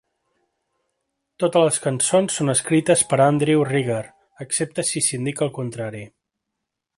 Totes les cançons són escrites per Andrew Rieger, excepte si s'indica el contrari.